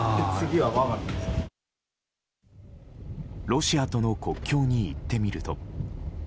ロシアとの国境に行ってみると。